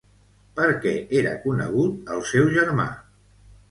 Per què era conegut el seu germà?